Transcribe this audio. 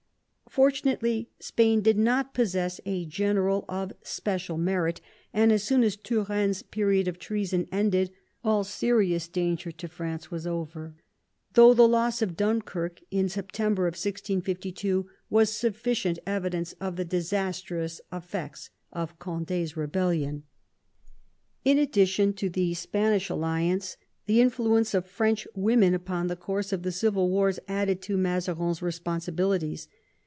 Fortunately, Spain did not possess a general of special merit, and as soon as Tiu enne's period of treason ended all serious danger to France was over, though the loss of Dunkirk in September 1652 was sufficient evidence of the disastrous effects of Condi's rebellion. In addition to the Spanish alliance, the influence of French women upon the course of the civil wars added to Mazarin's responsibilities.